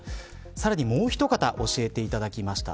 さらに、もう一方教えていただきました。